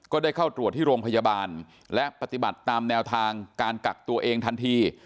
ได้เข้าตรวจที่โรงพยาบาลและปฏิบัติตามแนวทางการกักตัวเองทันที